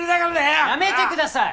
やめてください！